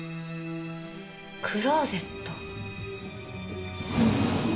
クローゼット。